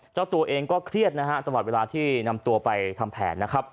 เจ้าตัวเองก็เครียดตลอดเวลาที่นำตัวไปทำแผน